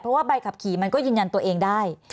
เพราะว่าใบขับขี่มันก็ยืนยันตัวเองได้